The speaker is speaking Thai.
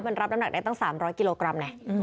มันรับน้ำหนักได้ตั้ง๓๐๐กิโลกรัมไง